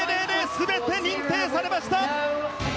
全て認定されました！